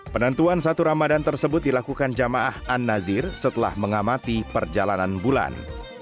penentuan satu ramadan tersebut dilakukan jamaah an nazir setelah mengamati perjalanan bulan